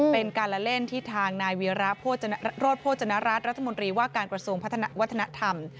เป็นการละเล่นที่ทางนายเวียระโรธโภจนรัฐรัฐรัฐมนตรีว่าการกระทรวงพัฒนาวัฒนธรรม